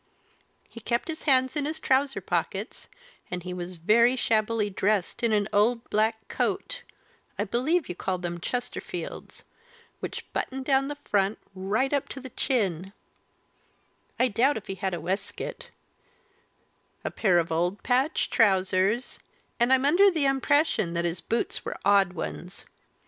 He kept his hands in his trousers pockets, and he was very shabbily dressed, in an old black coat I believe you call them Chesterfields which was buttoned down the front right up to the chin I doubt if he had a waistcoat; a pair of old patched trousers and I'm under the impression that his boots were odd ones.